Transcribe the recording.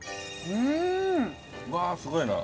うわーすごいな。